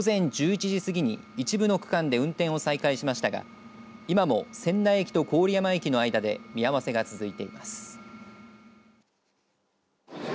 始発から全線で運転を見合わせ午前１１時過ぎに一部の区間で運転を再開しましたが今も仙台駅と郡山駅の間で見合わせが続いています。